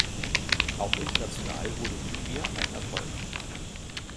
Auch international wurde Olivia ein Erfolg.